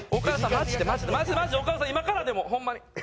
マジでマジで岡田さん今からでもホンマに。